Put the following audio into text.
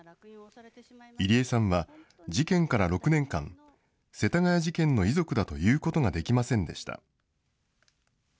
入江さんは事件から６年間、世田谷事件の遺族だと言うことができませんでした。